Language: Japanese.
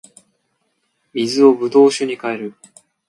水を葡萄酒に変える